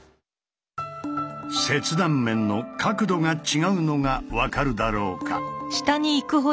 切断面の角度が違うのが分かるだろうか。